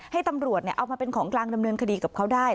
ให้ตำรวจเอามาเป็นของกลางดำเนินคดีกับเขาได้